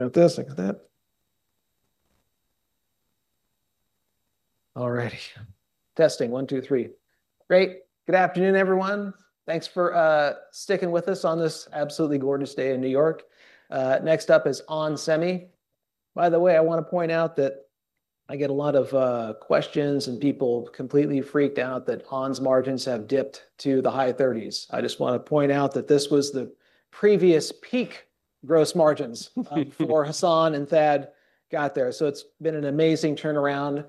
... Like this, like that. All righty. Testing one, two, three. Great. Good afternoon, everyone. Thanks for sticking with us on this absolutely gorgeous day in New York. Next up is onsemi. By the way, I wanna point out that I get a lot of questions and people completely freaked out that onsemi's margins have dipped to the high thirties. I just wanna point out that this was the previous peak gross margins before Hassan El-Khoury and Thad Trent got there. So it's been an amazing turnaround.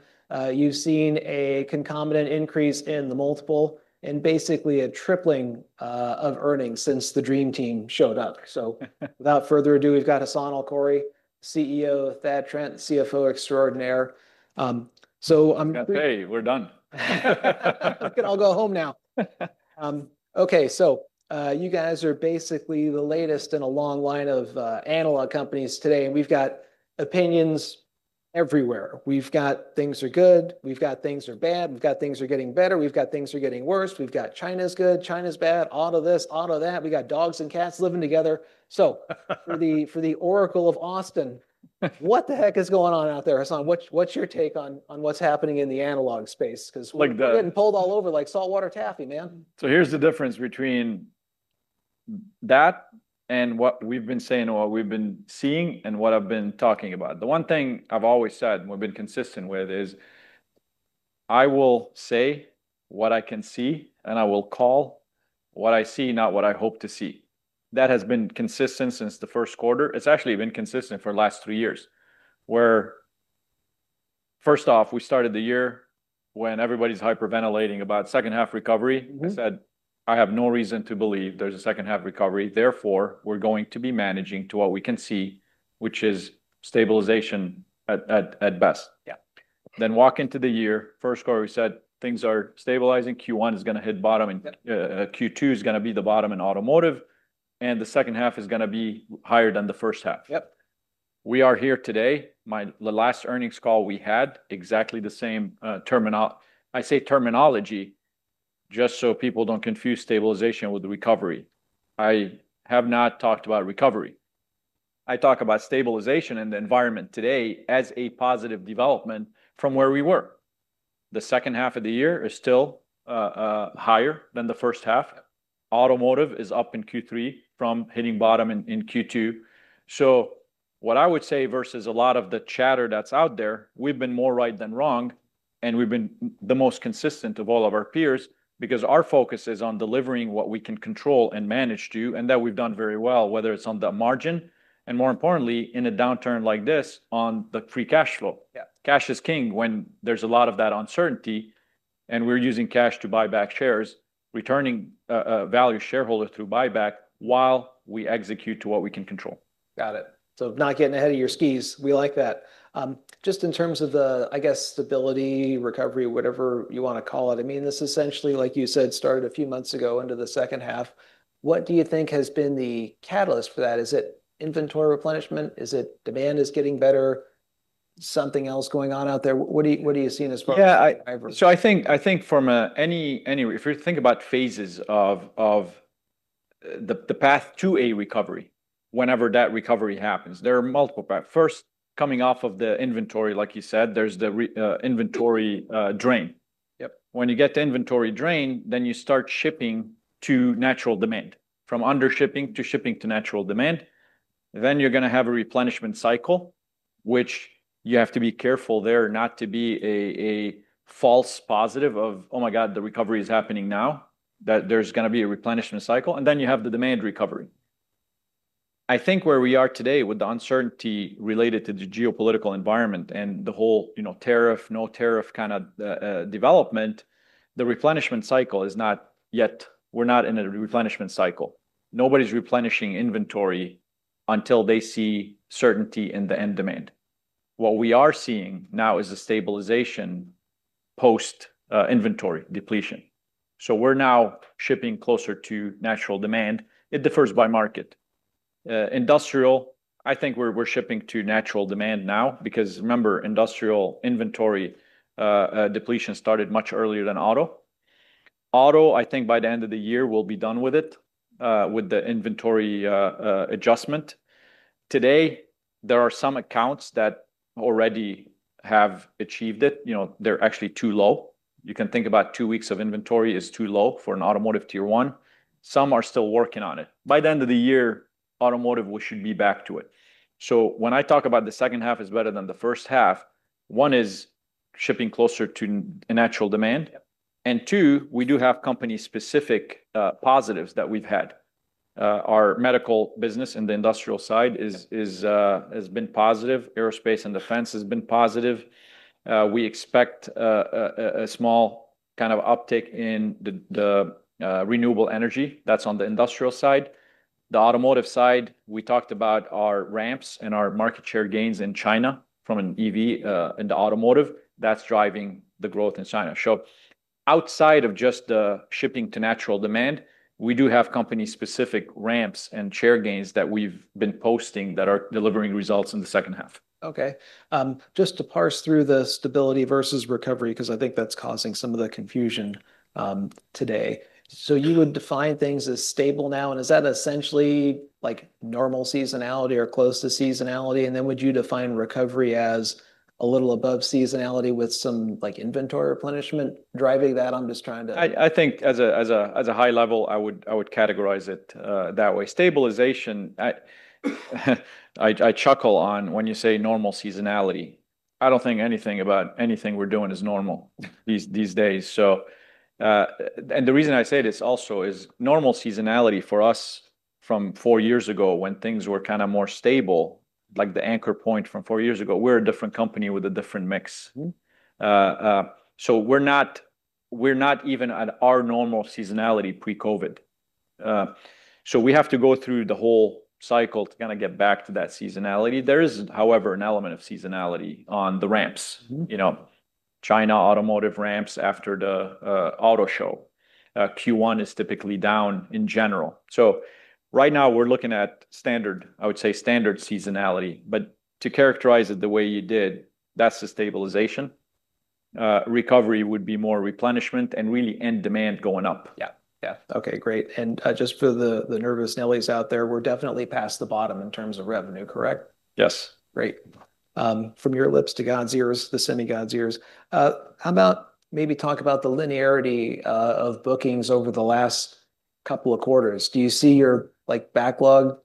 You've seen a concomitant increase in the multiple, and basically a tripling of earnings since the dream team showed up. So without further ado, we've got Hassan El-Khoury, CEO, Thad Trent, CFO extraordinaire. So I'm- That's it, we're done. We can all go home now. Okay, so, you guys are basically the latest in a long line of analog companies today, and we've got opinions everywhere. We've got things are good, we've got things are bad, we've got things are getting better, we've got things are getting worse. We've got China's good, China's bad, all of this, all of that. We've got dogs and cats living together. So for the Oracle of Austin, what the heck is going on out there, Hassan? What's your take on what's happening in the analog space? 'Cause- Like the- We're getting pulled all over like saltwater taffy, man. So here's the difference between that and what we've been saying or what we've been seeing, and what I've been talking about. The one thing I've always said, and we've been consistent with, is I will say what I can see, and I will call what I see, not what I hope to see. That has been consistent since the first quarter. It's actually been consistent for the last three years, where first off, we started the year when everybody's hyperventilating about second half recovery. Mm-hmm. I said, "I have no reason to believe there's a second half recovery, therefore, we're going to be managing to what we can see, which is stabilization at best. Yeah. Then, walking into the year, first quarter, we said things are stabilizing. Q1 is gonna hit bottom, and- Yeah... Q2 is gonna be the bottom in automotive, and the second half is gonna be higher than the first half. Yep. We are here today. The last earnings call we had exactly the same terminology, just so people don't confuse stabilization with recovery. I have not talked about recovery. I talk about stabilization in the environment today as a positive development from where we were. The second half of the year is still higher than the first half. Automotive is up in Q3 from hitting bottom in Q2. So what I would say, versus a lot of the chatter that's out there, we've been more right than wrong, and we've been the most consistent of all of our peers, because our focus is on delivering what we can control and manage to, and that we've done very well, whether it's on the margin, and more importantly, in a downturn like this, on the free cash flow. Yeah. Cash is king when there's a lot of that uncertainty, and we're using cash to buy back shares, returning value to shareholders through buyback while we execute to what we can control. Got it. So not getting ahead of your skis, we like that. Just in terms of the, I guess, stability, recovery, whatever you wanna call it, I mean, this essentially, like you said, started a few months ago into the second half. What do you think has been the catalyst for that? Is it inventory replenishment? Is it demand is getting better? Something else going on out there? What do you see as far as- Yeah... inventory? So, I think from any, if you think about phases of the path to a recovery, whenever that recovery happens, there are multiple path. First, coming off of the inventory, like you said, there's the inventory drain. Yep. When you get the inventory drain, then you start shipping to natural demand. From under shipping to shipping to natural demand. Then you're gonna have a replenishment cycle, which you have to be careful there not to be a false positive of, "Oh, my God, the recovery is happening now," that there's gonna be a replenishment cycle, and then you have the demand recovery. I think where we are today, with the uncertainty related to the geopolitical environment and the whole, you know, tariff, no tariff kind of development, the replenishment cycle is not yet... We're not in a replenishment cycle. Nobody's replenishing inventory until they see certainty in the end demand. What we are seeing now is a stabilization post, inventory depletion, so we're now shipping closer to natural demand. It differs by market. Industrial, I think we're shipping to natural demand now, because remember, industrial inventory depletion started much earlier than auto. Auto, I think by the end of the year we'll be done with it, with the inventory adjustment. Today, there are some accounts that already have achieved it. You know, they're actually too low. You can think about two weeks of inventory is too low for an automotive Tier 1. Some are still working on it. By the end of the year, automotive, we should be back to it. So when I talk about the second half is better than the first half, one is shipping closer to natural demand- Yep... and two, we do have company-specific positives that we've had. Our medical business in the industrial side is- Yeah... is, has been positive. Aerospace and defense has been positive. We expect a small kind of uptick in the renewable energy. That's on the industrial side. The automotive side, we talked about our ramps and our market share gains in China from an EV in the automotive. That's driving the growth in China. So outside of just the shipping to natural demand, we do have company-specific ramps and share gains that we've been posting that are delivering results in the second half. Okay. Just to parse through the stability versus recovery, 'cause I think that's causing some of the confusion, today. So you would define things as stable now, and is that essentially, like, normal seasonality or close to seasonality? And then would you define recovery as a little above seasonality with some, like, inventory replenishment driving that? I'm just trying to- I think at a high level, I would categorize it that way. Stabilization, I chuckle when you say normal seasonality. I don't think anything about anything we're doing is normal these days. So, and the reason I say this also is normal seasonality for us from four years ago, when things were kind of more stable, like the anchor point from four years ago, we're a different company with a different mix. Mm. So we're not even at our normal seasonality pre-COVID. So we have to go through the whole cycle to kind of get back to that seasonality. There is, however, an element of seasonality on the ramps. Mm. You know, China automotive ramps after the auto show. Q1 is typically down in general. So right now we're looking at standard, I would say, standard seasonality, but to characterize it the way you did, that's the stabilization. Recovery would be more replenishment and really end demand going up. Yeah, yeah. Okay, great. And, just for the nervous Nellies out there, we're definitely past the bottom in terms of revenue, correct? Yes. Great. From your lips to God's ears, the semi-gods' ears. How about maybe talk about the linearity of bookings over the last couple of quarters. Do you see your, like, backlog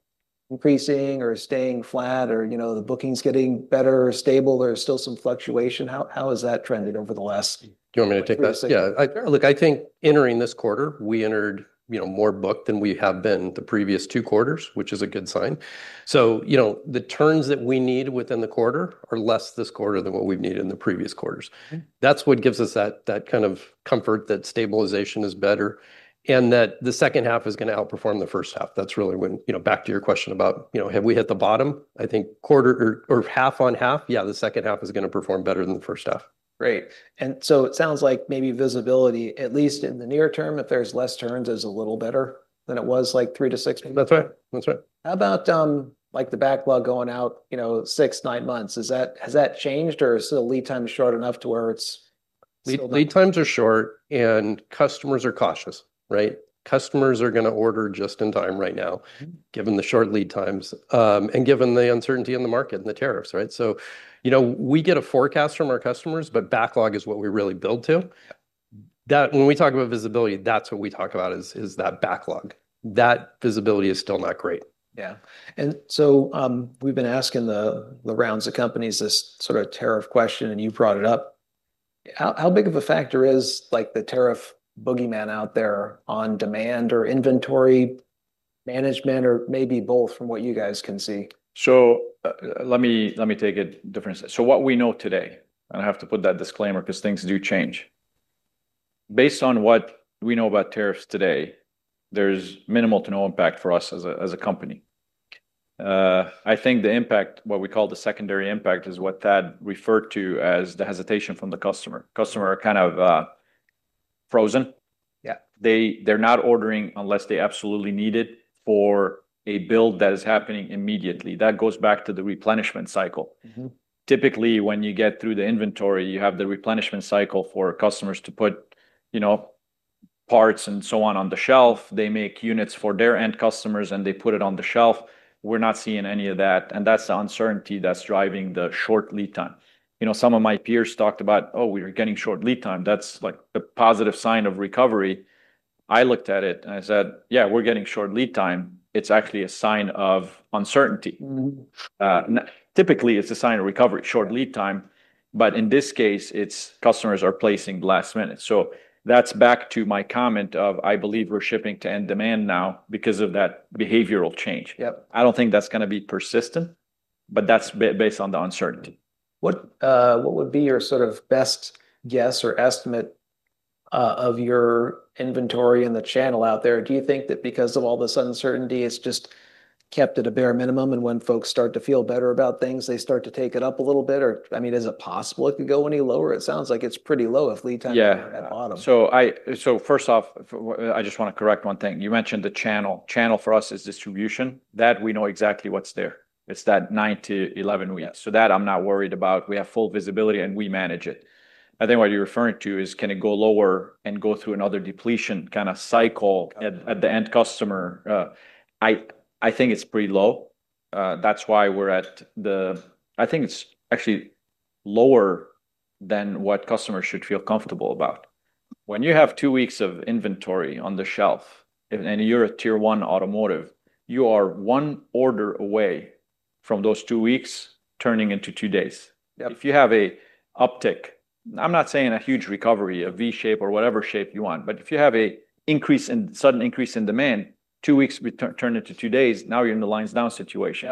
increasing or staying flat, or, you know, the bookings getting better or stable? There's still some fluctuation. How has that trended over the last- Do you want me to take that? Yeah. Yeah. Look, I think entering this quarter, we entered, you know, more booked than we have been the previous two quarters, which is a good sign. So, you know, the turns that we need within the quarter are less this quarter than what we've needed in the previous quarters. Mm. That's what gives us that, that kind of comfort, that stabilization is better, and that the second half is gonna outperform the first half. That's really when, you know, back to your question about, you know, have we hit the bottom? I think quarter or half on half, yeah, the second half is gonna perform better than the first half. Great. And so it sounds like maybe visibility, at least in the near term, if there's less turns, is a little better than it was, like, three to six months? That's right. That's right. How about the backlog going out, you know, six, nine months? Has that changed, or is the lead time short enough to where it's still- Lead times are short, and customers are cautious, right? Customers are gonna order just in time right now- Mm... given the short lead times, and given the uncertainty in the market and the tariffs, right? So, you know, we get a forecast from our customers, but backlog is what we really build to. Yeah. When we talk about visibility, that's what we talk about, is that backlog. That visibility is still not great. Yeah. And so, we've been asking the rounds of companies this sort of tariff question, and you brought it up. How big of a factor is, like, the tariff boogeyman out there on demand or inventory management, or maybe both, from what you guys can see? Let me take it different. So what we know today, and I have to put that disclaimer, 'cause things do change. Based on what we know about tariffs today, there's minimal to no impact for us as a company. I think the impact, what we call the secondary impact, is what Thad referred to as the hesitation from the customer. Customer are kind of frozen. Yeah. They're not ordering unless they absolutely need it for a build that is happening immediately. That goes back to the replenishment cycle. Mm-hmm. Typically, when you get through the inventory, you have the replenishment cycle for customers to put, you know, parts and so on, on the shelf. They make units for their end customers, and they put it on the shelf. We're not seeing any of that, and that's the uncertainty that's driving the short lead time. You know, some of my peers talked about, "Oh, we're getting short lead time. That's like a positive sign of recovery." I looked at it, and I said, "Yeah, we're getting short lead time. It's actually a sign of uncertainty. Mm-hmm. Typically, it's a sign of recovery, short lead time, but in this case, it's customers are placing last minute. So that's back to my comment of, I believe we're shipping to end demand now because of that behavioral change. Yep. I don't think that's gonna be persistent, but that's based on the uncertainty. What would be your sort of best guess or estimate of your inventory in the channel out there? Do you think that because of all the sudden uncertainty, it's just kept at a bare minimum, and when folks start to feel better about things, they start to take it up a little bit? Or, I mean, is it possible it could go any lower? It sounds like it's pretty low if lead time- Yeah... at bottom. First off, I just want to correct one thing. You mentioned the Channel. Channel for us is distribution, that we know exactly what's there. It's that 9-11 weeks. Yeah. So that I'm not worried about. We have full visibility, and we manage it. I think what you're referring to is, can it go lower and go through another depletion kind of cycle at- Yeah... at the end customer? I think it's pretty low. That's why we're at the... I think it's actually lower than what customers should feel comfortable about. When you have two weeks of inventory on the shelf, and you're a Tier 1 automotive, you are one order away from those two weeks turning into two days. Yeah. If you have an uptick, I'm not saying a huge recovery, a V shape or whatever shape you want, but if you have a sudden increase in demand, two weeks would turn into two days. Now you're in the lines down situation.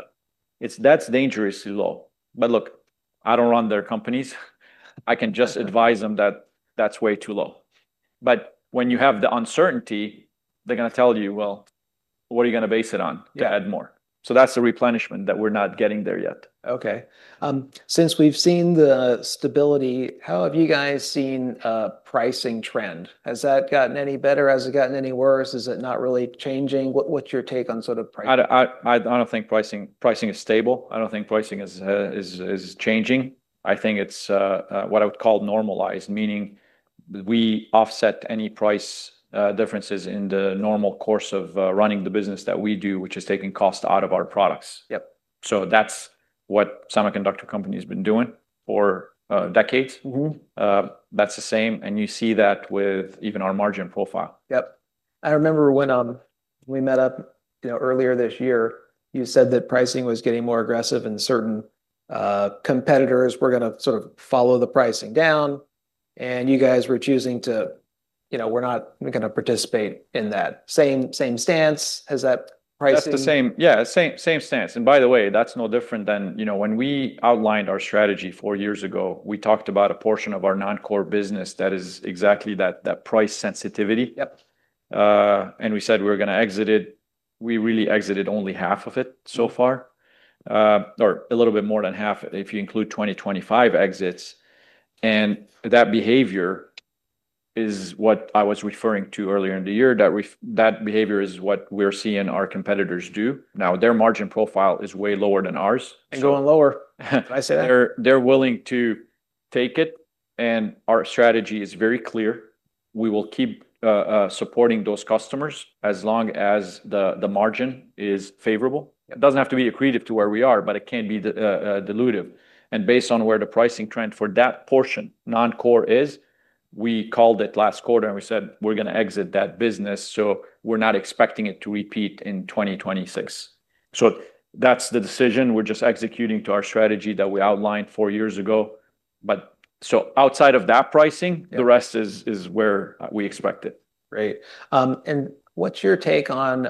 Yeah. That's dangerously low. But look, I don't run their companies. I can just advise them that that's way too low. But when you have the uncertainty, they're gonna tell you, "What are you gonna base it on? Yeah to add more? So that's the replenishment that we're not getting there yet. Okay. Since we've seen the stability, how have you guys seen a pricing trend? Has that gotten any better? Has it gotten any worse? Is it not really changing? What, what's your take on sort of pricing? I don't think pricing is stable. I don't think pricing is changing. I think it's what I would call normalized, meaning we offset any price differences in the normal course of running the business that we do, which is taking cost out of our products. Yep. So that's what onsemi's been doing for decades. Mm-hmm. That's the same, and you see that with even our margin profile. Yep. I remember when we met up, you know, earlier this year, you said that pricing was getting more aggressive, and certain competitors were gonna sort of follow the pricing down, and you guys were choosing to... You know, we're not gonna participate in that. Same, same stance. Has that pricing- That's the same. Yeah, same, same stance, and by the way, that's no different than... You know, when we outlined our strategy four years ago, we talked about a portion of our non-core business that is exactly that, that price sensitivity. Yep. And we said we were gonna exit it. We really exited only half of it so far, or a little bit more than half, if you include 2025 exits. And that behavior is what I was referring to earlier in the year, that behavior is what we're seeing our competitors do. Now, their margin profile is way lower than ours, so- Going lower. Can I say that? They're willing to take it, and our strategy is very clear. We will keep supporting those customers as long as the margin is favorable. It doesn't have to be accretive to where we are, but it can't be dilutive. And based on where the pricing trend for that portion, non-core, is, we called it last quarter, and we said, "We're gonna exit that business," so we're not expecting it to repeat in 2026. So that's the decision. We're just executing to our strategy that we outlined four years ago. But, so outside of that pricing- Yeah... the rest is where we expect it. Great. And what's your take on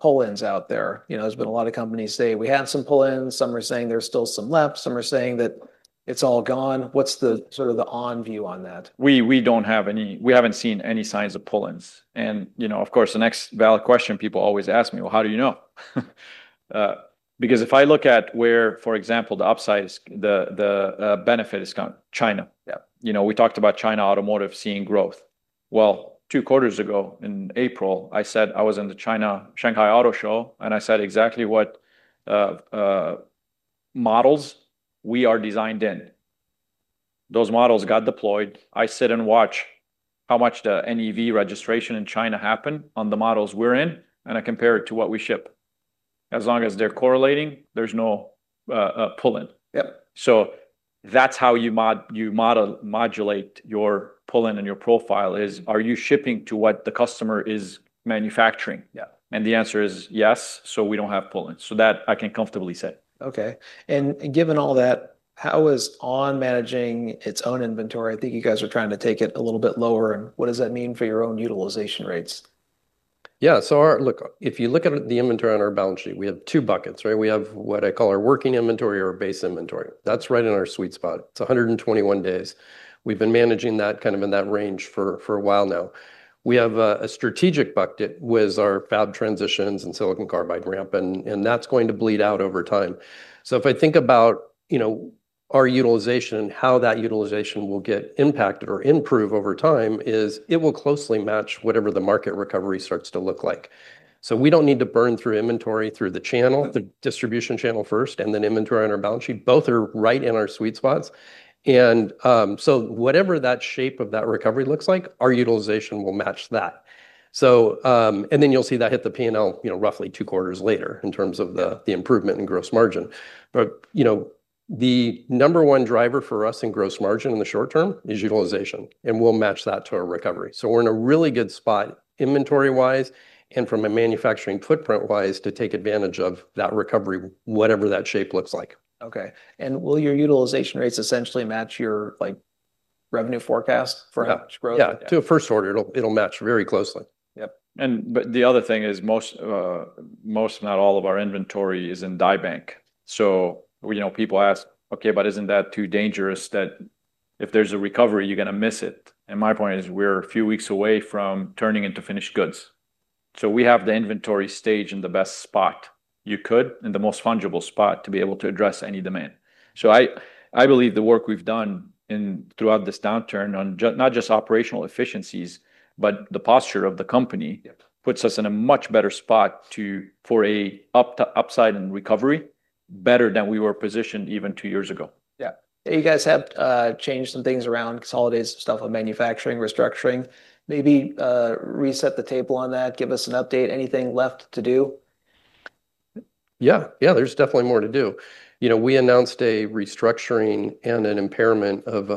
pull-ins out there? You know, there's been a lot of companies say, "We had some pull-ins." Some are saying there's still some left. Some are saying that it's all gone. What's the sort of onsemi view on that? We don't have any... We haven't seen any signs of pull-ins. And, you know, of course, the next valid question people always ask me, "Well, how do you know?" Because if I look at where, for example, the upside is, the benefit is gone, China. Yeah. You know, we talked about China automotive seeing growth. Two quarters ago, in April, I said I was in the China Shanghai Auto Show, and I said exactly what models we are designed in. Those models got deployed. I sit and watch how much the NEV registration in China happen on the models we're in, and I compare it to what we ship. As long as they're correlating, there's no pull-in. Yep. So that's how you modulate your pull-in and your profile. Are you shipping to what the customer is manufacturing? Yeah. And the answer is yes, so we don't have pull-ins. So that I can comfortably say. Okay, and given all that, how is onsemi managing its own inventory? I think you guys are trying to take it a little bit lower, and what does that mean for your own utilization rates? Yeah, so. Look, if you look at the inventory on our balance sheet, we have two buckets, right? We have what I call our working inventory or our base inventory. That's right in our sweet spot. It's 121 days. We've been managing that kind of in that range for a while now. We have a strategic bucket with our fab transitions and silicon carbide ramp, and that's going to bleed out over time. So if I think about, you know, our utilization and how that utilization will get impacted or improve over time, is it will closely match whatever the market recovery starts to look like. So we don't need to burn through inventory through the channel, the distribution channel first, and then inventory on our balance sheet. Both are right in our sweet spots, and so whatever that shape of that recovery looks like, our utilization will match that. So and then you'll see that hit the P&L, you know, roughly two quarters later in terms of the improvement in gross margin. But you know, the number one driver for us in gross margin in the short term is utilization, and we'll match that to our recovery. So we're in a really good spot inventory-wise and from a manufacturing footprint-wise, to take advantage of that recovery, whatever that shape looks like. Okay, and will your utilization rates essentially match your, like, revenue forecast for how much growth? Yeah. Yeah, to a first order, it'll, it'll match very closely. Yep. But the other thing is most, if not all, of our inventory is in die bank. So, you know, people ask, "Okay, but isn't that too dangerous, that if there's a recovery, you're gonna miss it?" And my point is: we're a few weeks away from turning into finished goods, so we have the inventory stage in the best spot you could, in the most fungible spot, to be able to address any demand. So I believe the work we've done in throughout this downturn on not just operational efficiencies, but the posture of the company- Yep... puts us in a much better spot for upside in recovery, better than we were positioned even two years ago. Yeah. You guys have changed some things around, consolidated some stuff on manufacturing, restructuring. Maybe, reset the table on that. Give us an update. Anything left to do? Yeah. Yeah, there's definitely more to do. You know, we announced a restructuring and an impairment of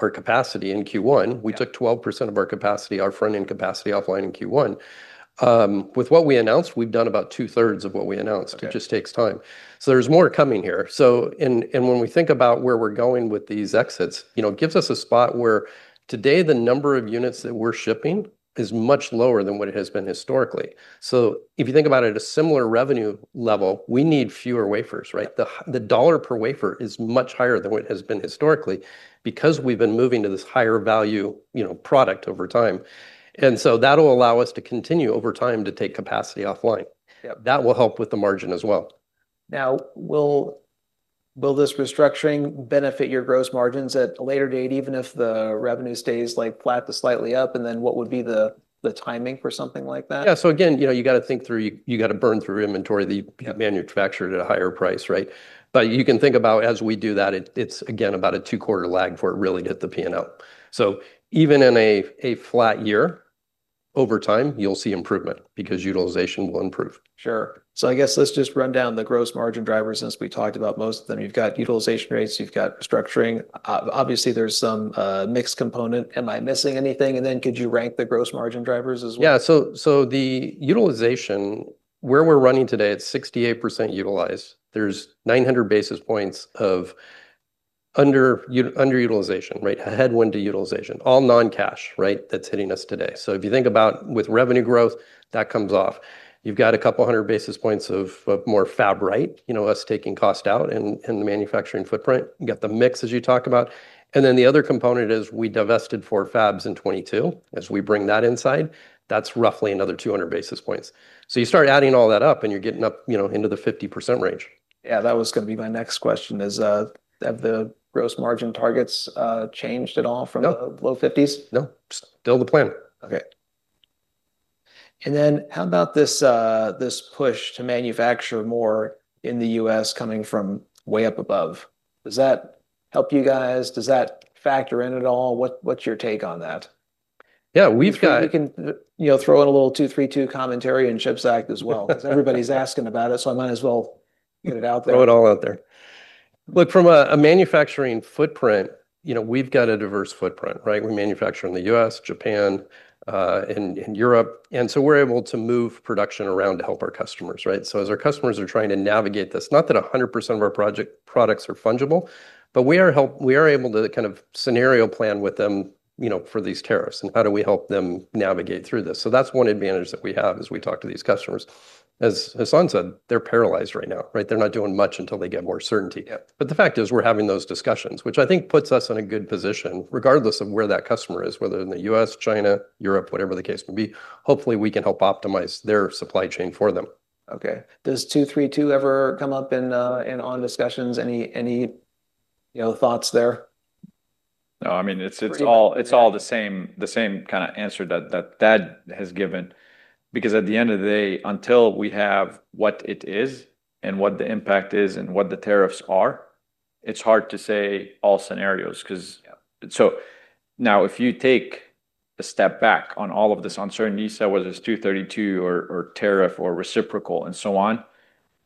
our capacity in Q1. Yeah. We took 12% of our capacity, our front-end capacity, offline in Q1. With what we announced, we've done about two-thirds of what we announced. Okay. It just takes time. So there's more coming here. So when we think about where we're going with these exits, you know, it gives us a spot where today the number of units that we're shipping is much lower than what it has been historically. So if you think about it, at a similar revenue level, we need fewer wafers, right? Yeah. The dollar per wafer is much higher than what it has been historically because we've been moving to this higher value, you know, product over time, and so that'll allow us to continue over time to take capacity offline. Yep. That will help with the margin as well. Now, will this restructuring benefit your gross margins at a later date, even if the revenue stays, like, flat to slightly up? And then what would be the timing for something like that? Yeah, so again, you know, you gotta think through, you gotta burn through inventory that you- Yeah manufactured at a higher price, right? But you can think about as we do that, it's again about a two-quarter lag before it really hit the P&L. So even in a flat year, over time, you'll see improvement because utilization will improve. Sure. So I guess let's just run down the gross margin drivers, since we talked about most of them. You've got utilization rates, you've got structuring. Obviously, there's some mixed component. Am I missing anything? And then could you rank the gross margin drivers as well? Yeah, so the utilization, where we're running today, it's 68% utilized. There's 900 basis points of underutilization, right? A headwind to utilization, all non-cash, right, that's hitting us today. So if you think about with revenue growth, that comes off. You've got a couple hundred basis points of more fab, right? You know, us taking cost out in the manufacturing footprint. You got the mix, as you talked about. And then the other component is we divested 4 fabs in 2022. As we bring that inside, that's roughly another 200 basis points. So you start adding all that up, and you're getting up, you know, into the 50% range. Yeah, that was gonna be my next question, is, have the gross margin targets, changed at all from- No... the low fifties? No. Still the plan. Okay. And then how about this push to manufacture more in the U.S. coming from way up above? Does that help you guys? Does that factor in at all? What's your take on that? Yeah, we've got- You can, you know, throw in a little 232 commentary and CHIPS Act as well, 'cause everybody's asking about it, so I might as well get it out there. Throw it all out there. Look, from a manufacturing footprint, you know, we've got a diverse footprint, right? We manufacture in the U.S., Japan, in Europe, and so we're able to move production around to help our customers, right? So as our customers are trying to navigate this, not that 100% of our products are fungible, but we are able to kind of scenario plan with them, you know, for these tariffs, and how do we help them navigate through this? So that's one advantage that we have as we talk to these customers. As Hassan said, they're paralyzed right now, right? They're not doing much until they get more certainty. Yeah. But the fact is, we're having those discussions, which I think puts us in a good position, regardless of where that customer is, whether in the U.S., China, Europe, whatever the case may be. Hopefully, we can help optimize their supply chain for them. Okay. Does Section 232 ever come up in any discussions? Any, you know, thoughts there? No, I mean, it's all- For you... it's all the same, the same kind of answer that Thad has given. Because at the end of the day, until we have what it is and what the impact is and what the tariffs are, it's hard to say all scenarios, 'cause- Yeah... so now, if you take a step back on all of this uncertainty, say, whether it's Section 232 or tariff or reciprocal and so on,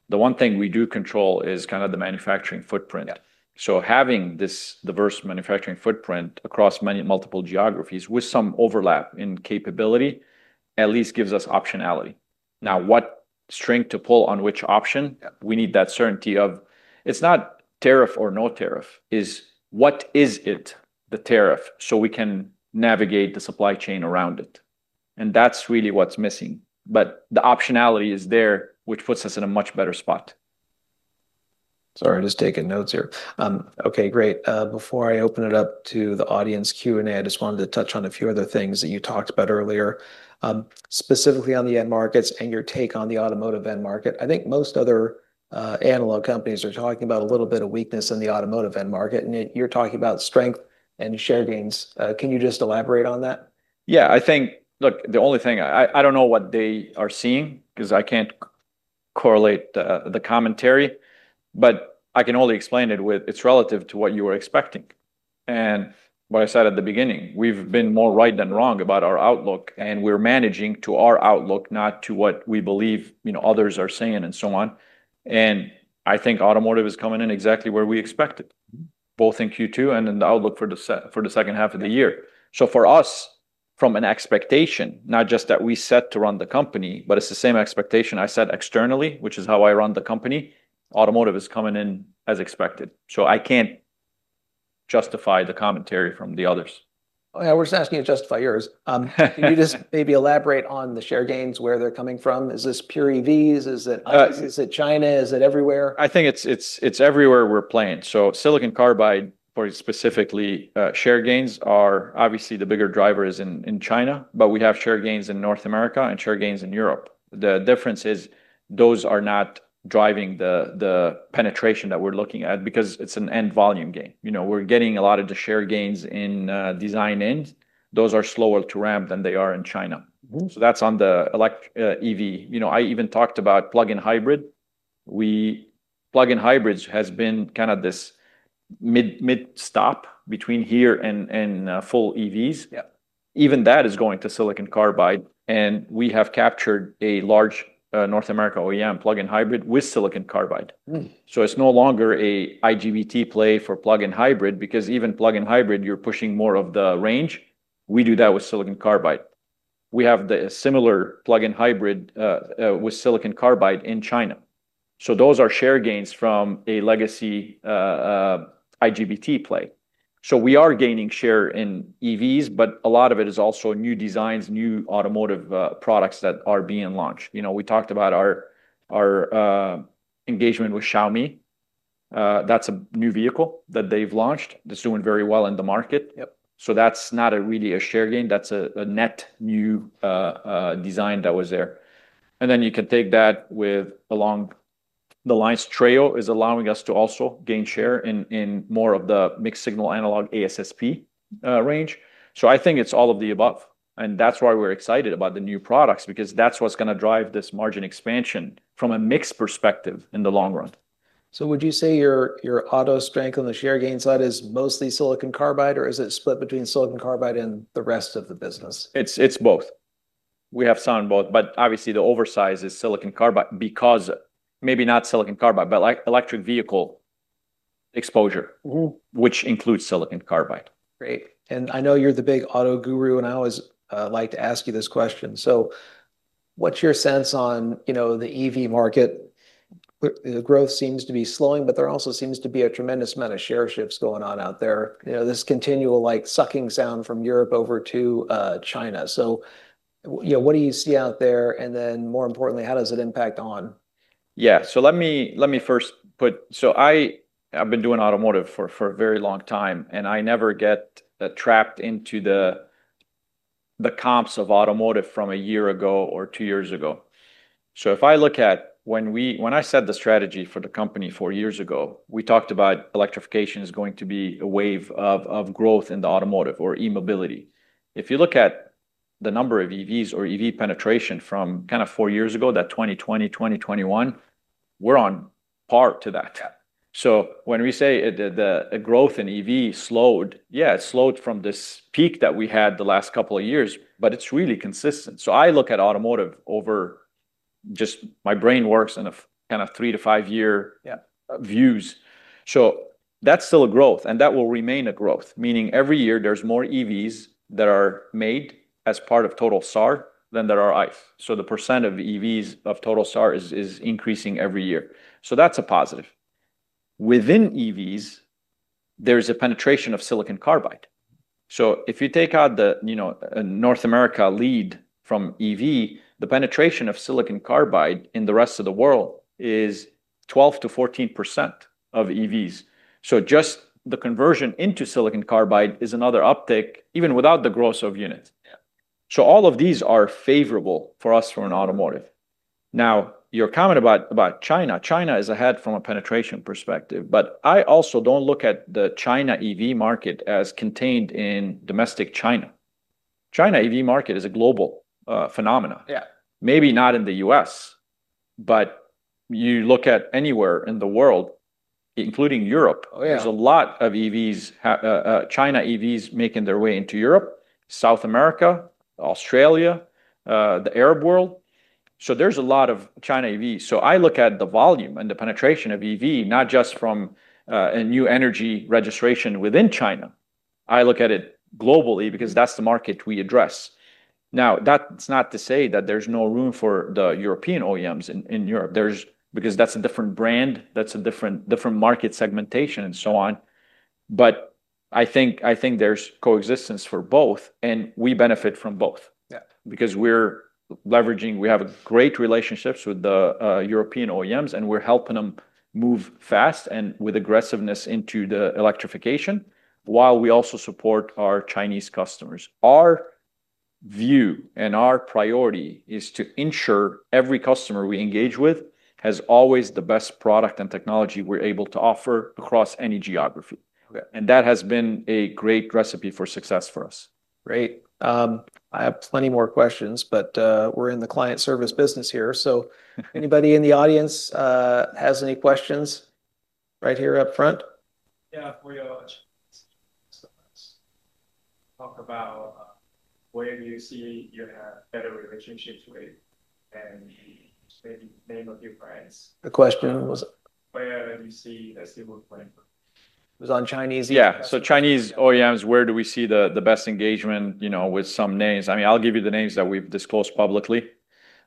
the one thing we do control is kind of the manufacturing footprint. Yeah. So having this diverse manufacturing footprint across many multiple geographies, with some overlap in capability, at least gives us optionality. Now, what string to pull on which option- Yeah... we need that certainty of, it's not tariff or no tariff, it's what is it, the tariff, so we can navigate the supply chain around it, and that's really what's missing. But the optionality is there, which puts us in a much better spot. Sorry, just taking notes here. Okay, great. Before I open it up to the audience Q&A, I just wanted to touch on a few other things that you talked about earlier, specifically on the end markets and your take on the automotive end market. I think most other analog companies are talking about a little bit of weakness in the automotive end market, and yet you're talking about strength and share gains. Can you just elaborate on that? Yeah, I think. Look, the only thing, I don't know what they are seeing, 'cause I can't correlate the commentary, but I can only explain it with it's relative to what you were expecting. And what I said at the beginning, we've been more right than wrong about our outlook, and we're managing to our outlook, not to what we believe, you know, others are saying, and so on. And I think automotive is coming in exactly where we expected- Mm-hmm... both in Q2 and in the outlook for the second half of the year. Yeah. So for us, from an expectation, not just that we set to run the company, but it's the same expectation I set externally, which is how I run the company. Automotive is coming in as expected. So I can't justify the commentary from the others. Oh, yeah, we're just asking you to justify yours. Can you just maybe elaborate on the share gains, where they're coming from? Is this pure EVs? Is it- Uh-... is it China? Is it everywhere? I think it's everywhere we're playing. So silicon carbide, very specifically, share gains are obviously the bigger drivers in China, but we have share gains in North America and share gains in Europe. The difference is, those are not driving the penetration that we're looking at because it's an end volume game. You know, we're getting a lot of the share gains in design end. Those are slower to ramp than they are in China. Mm. So that's on the electric EV. You know, I even talked about plug-in hybrid. We, plug-in hybrids has been kind of this mid stop between here and full EVs. Yeah. Even that is going to silicon carbide, and we have captured a large North America OEM plug-in hybrid with silicon carbide. Mm. So it's no longer an IGBT play for plug-in hybrid, because even plug-in hybrid, you're pushing more of the range. We do that with silicon carbide. We have the similar plug-in hybrid with silicon carbide in China, so those are share gains from a legacy IGBT play. So we are gaining share in EVs, but a lot of it is also new designs, new automotive products that are being launched. You know, we talked about our engagement with Xiaomi. That's a new vehicle that they've launched that's doing very well in the market. Yep. So that's not really a share gain, that's a net new design that was there. And then you can take that with along the lines Treo is allowing us to also gain share in more of the mixed signal analog ASSP range. So I think it's all of the above, and that's why we're excited about the new products, because that's what's gonna drive this margin expansion from a mix perspective in the long run. So would you say your auto strength on the share gain side is mostly silicon carbide, or is it split between silicon carbide and the rest of the business? It's both. We have some on both, but obviously the upside is silicon carbide, because maybe not silicon carbide, but like electric vehicle exposure- Mm-hmm... which includes silicon carbide. Great. And I know you're the big auto guru, and I always like to ask you this question. So what's your sense on, you know, the EV market? The growth seems to be slowing, but there also seems to be a tremendous amount of share shifts going on out there. You know, this continual like sucking sound from Europe over to China. So, you know, what do you see out there? And then more importantly, how does it impact ON? Yeah. So let me first put. So I've been doing automotive for a very long time, and I never get trapped into the comps of automotive from a year ago or two years ago. So if I look at when we. When I set the strategy for the company four years ago, we talked about electrification is going to be a wave of growth in the automotive or e-mobility. If you look at the number of EVs or EV penetration from kind of four years ago, that 2020, 2021, we're on par to that. So when we say the growth in EV slowed, yeah, it slowed from this peak that we had the last couple of years, but it's really consistent. So I look at automotive over just, my brain works in a kind of three to five-year- Yeah... views. So that's still a growth, and that will remain a growth, meaning every year there's more EVs that are made as part of total SAR than there are ICE. So the % of EVs of total SAR is increasing every year. So that's a positive. Within EVs, there's a penetration of silicon carbide. So if you take out the, you know, North America lead from EV, the penetration of silicon carbide in the rest of the world is 12%-14% of EVs. So just the conversion into silicon carbide is another uptick, even without the growth of units. Yeah. So all of these are favorable for us from an automotive. Now, your comment about China. China is ahead from a penetration perspective, but I also don't look at the China EV market as contained in domestic China. China EV market is a global phenomenon. Yeah. Maybe not in the U.S., but you look at anywhere in the world, including Europe- Oh, yeah... there's a lot of EVs, China EVs making their way into Europe, South America, Australia, the Arab world. So there's a lot of China EVs. So I look at the volume and the penetration of EV, not just from a new energy registration within China. I look at it globally because that's the market we address. Now, that's not to say that there's no room for the European OEMs in Europe. There's because that's a different brand, that's a different market segmentation and so on. But I think there's coexistence for both, and we benefit from both- Yeah... because we're leveraging, we have great relationships with the European OEMs, and we're helping them move fast and with aggressiveness into the electrification, while we also support our Chinese customers. Our view and our priority is to ensure every customer we engage with has always the best product and technology we're able to offer across any geography. Okay. That has been a great recipe for success for us. Great. I have plenty more questions, but we're in the client service business here. So anybody in the audience has any questions? Right here up front. Yeah, for your talk about where you see you have better relationships with, and maybe name a few brands. The question was? Where you see, as the footprint. It was on Chinese- Yeah. So Chinese OEMs, where do we see the best engagement, you know, with some names? I mean, I'll give you the names that we've disclosed publicly.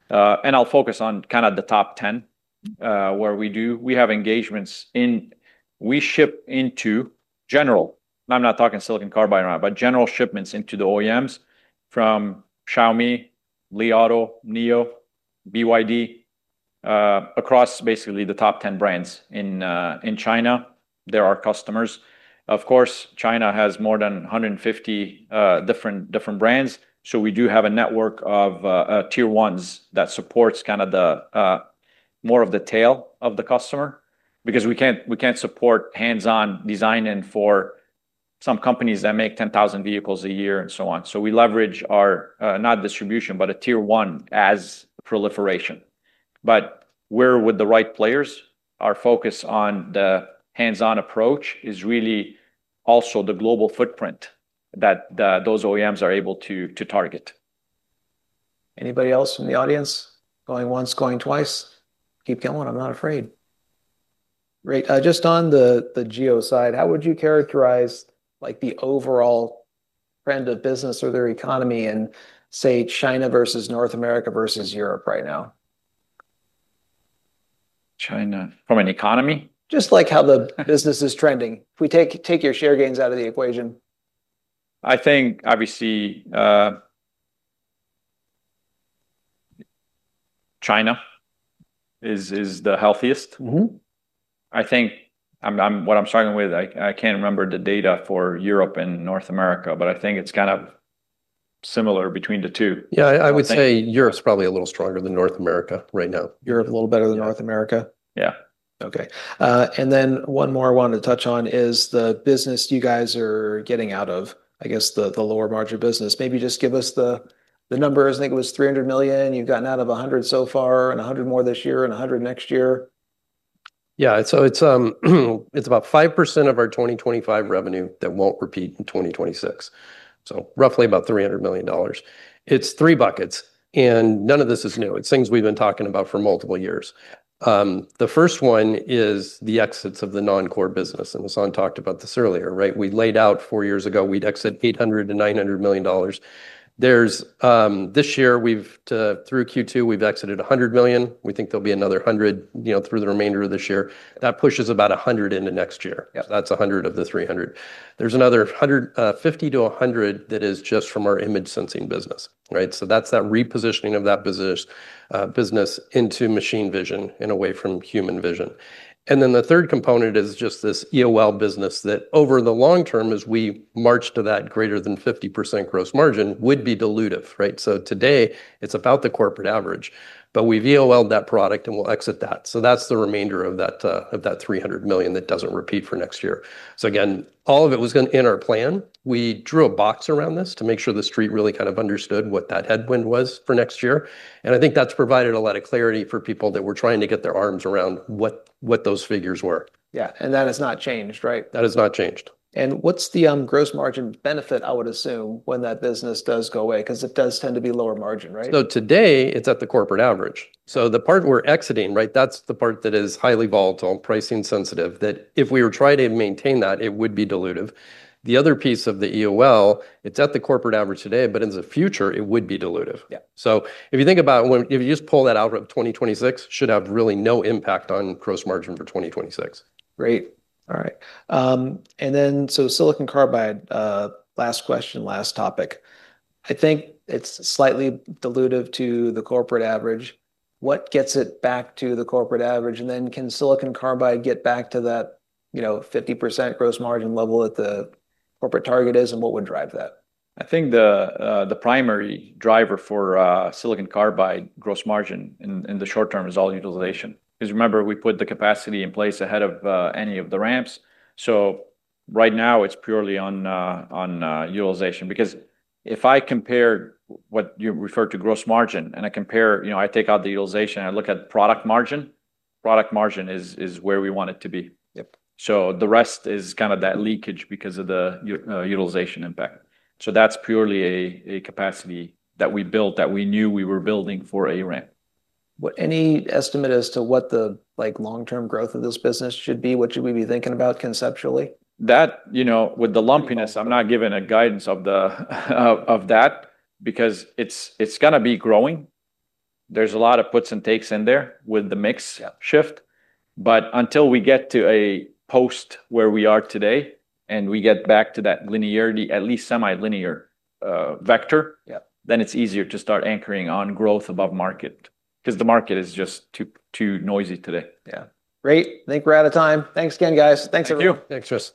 And I'll focus on kind of the top ten, where we do. We have engagements in. We ship into general, I'm not talking silicon carbide or not, but general shipments into the OEMs from Xiaomi, Li Auto, NIO, BYD, across basically the top ten brands in China, they're our customers. Of course, China has more than a hundred and fifty different brands, so we do have a network of Tier 1s that supports kind of the more of the tail of the customer. Because we can't support hands-on designing for some companies that make ten thousand vehicles a year and so on. So we leverage our, not distribution, but a Tier 1 and proliferation. But we're with the right players, our focus on the hands-on approach is really also the global footprint that those OEMs are able to target. Anybody else from the audience? Going once, going twice. Keep going, I'm not afraid. Great. Just on the geo side, how would you characterize, like, the overall trend of business or their economy in, say, China versus North America versus Europe right now? China, from an economy? Just like how the business is trending. If we take your share gains out of the equation. I think, obviously, China is the healthiest. Mm-hmm. I think what I'm struggling with, I can't remember the data for Europe and North America, but I think it's kind of similar between the two? Yeah, I would say Europe's probably a little stronger than North America right now. Europe a little better than North America? Yeah. Okay. And then one more I wanted to touch on is the business you guys are getting out of, I guess, the lower margin business. Maybe just give us the numbers. I think it was $300 million. You've gotten out of 100 so far, and 100 more this year, and 100 next year. Yeah. So it's about 5% of our 2025 revenue that won't repeat in 2026, so roughly about $300 million. It's three buckets, and none of this is new. It's things we've been talking about for multiple years. The first one is the exits of the non-core business, and Hassan talked about this earlier, right? We laid out four years ago, we'd exit $800 million–$900 million. There's this year, we've through Q2, we've exited $100 million. We think there'll be another $100 million, you know, through the remainder of this year. That pushes about $100 million into next year. Yeah. That's $100 million of the $300 million. There's another $100 million, $50 million–$100 million that is just from our image sensing business, right? So that's that repositioning of that business into machine vision and away from human vision. And then the third component is just this EOL business, that over the long term, as we march to that greater than 50% gross margin, would be dilutive, right? So today, it's about the corporate average, but we've EOL'd that product, and we'll exit that. So that's the remainder of that, of that $300 million that doesn't repeat for next year. So again, all of it was gonna... in our plan. We drew a box around this to make sure the street really kind of understood what that headwind was for next year, and I think that's provided a lot of clarity for people that were trying to get their arms around what those figures were. Yeah, and that has not changed, right? That has not changed. What's the gross margin benefit, I would assume, when that business does go away? 'Cause it does tend to be lower margin, right? So today, it's at the corporate average. So the part we're exiting, right, that's the part that is highly volatile, pricing sensitive, that if we were trying to maintain that, it would be dilutive. The other piece of the EOL, it’s at the corporate average today, but in the future, it would be dilutive. Yeah. So if you think about when, if you just pull that out of 2026, should have really no impact on gross margin for 2026. Great. All right. And then, so silicon carbide, last question, last topic. I think it's slightly dilutive to the corporate average. What gets it back to the corporate average? And then, can silicon carbide get back to that, you know, 50% gross margin level that the corporate target is, and what would drive that? I think the primary driver for silicon carbide gross margin in the short term is all utilization. 'Cause remember, we put the capacity in place ahead of any of the ramps. So right now, it's purely on utilization. Because if I compare what you referred to gross margin, and I compare... you know, I take out the utilization, and I look at product margin, product margin is where we want it to be. Yep. So the rest is kind of that leakage because of the utilization impact. So that's purely a capacity that we built, that we knew we were building for a ramp. Any estimate as to what the, like, long-term growth of this business should be? What should we be thinking about conceptually? That, you know, with the lumpiness, I'm not giving a guidance of that because it's gonna be growing. There's a lot of puts and takes in there with the mix- Yeah... shift. But until we get to a post where we are today, and we get back to that linearity, at least semi-linear, vector- Yeah... then it's easier to start anchoring on growth above market, 'cause the market is just too, too noisy today. Yeah. Great. Think we're out of time. Thanks again, guys. Thanks, everyone. Thank you. Thanks, Tristan.